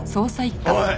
おい！